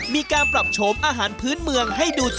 มีการปรับโฉมอาหารพื้นเมืองให้ดู